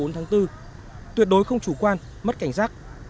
hai mươi bốn tháng bốn tuyệt đối không chủ quan mất cảnh giác